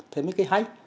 thế mới cái hay